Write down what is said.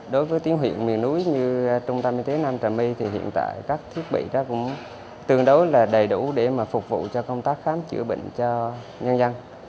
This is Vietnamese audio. đối với tiếng huyện miền núi như trung tâm y tế nam trà my thì hiện tại các thiết bị đó cũng tương đối là đầy đủ để mà phục vụ cho công tác khám chữa bệnh cho nhân dân